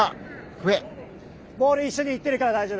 ボールに一緒に行ってるから大丈夫。